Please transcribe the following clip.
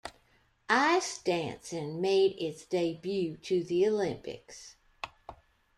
Ice dancing made its debut to the Olympics.